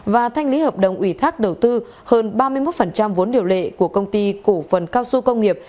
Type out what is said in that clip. và thanh lý hợp đồng ủy thác đầu tư hơn ba mươi một vốn điều lệ của công ty cổ phần cao su công nghiệp